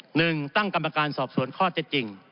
หนึ่งตั้งกรรมการสอบสวนข้อเท็จจริง